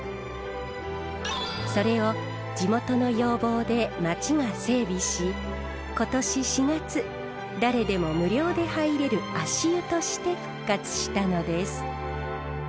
それを地元の要望で町が整備し今年４月誰でも無料で入れる足湯として復活したのです。